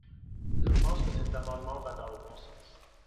Je pense que cet amendement va dans le bon sens.